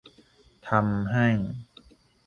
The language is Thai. ทำให้